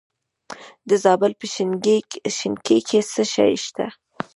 د زابل په شنکۍ کې څه شی شته؟